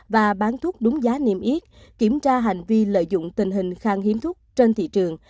và bán thuốc đúng giá niêm yết kiểm tra hành vi lợi dụng tình hình khang hiếm thuốc trên thị trường